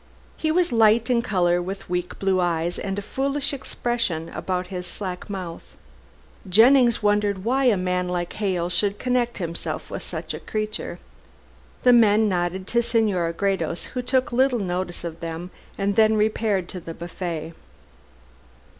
He was light in color, with weak blue eyes and a foolish expression about his slack mouth. Jennings wondered why a man like Hale should connect himself with such a creature. The men nodded to Senora Gredos, who took little notice of them, and then repaired to the buffet.